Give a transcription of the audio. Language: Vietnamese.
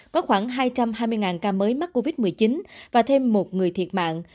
hai mươi ca mới mắc covid một mươi chín và thêm một người thiệt mạng